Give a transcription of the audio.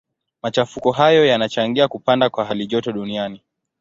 Machafuko hayo yanachangia kupanda kwa halijoto duniani.